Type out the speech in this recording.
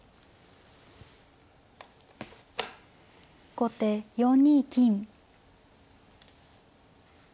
後手４二金。